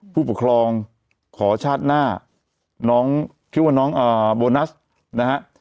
ผู้ปกครองขอชาติหน้าน้องชื่อว่าน้องโบนัสนะฮะ